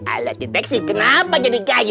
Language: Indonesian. alat deteksi kenapa jadi kayu